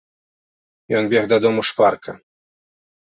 Ён бег дадому шпарка.